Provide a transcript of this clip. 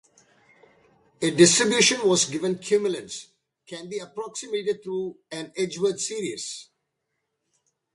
A distribution with given cumulants can be approximated through an Edgeworth series.